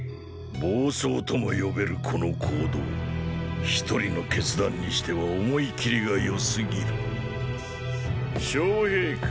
暴走とも呼べるこの行動一人の決断にしては思い切りがよすぎる昌平君。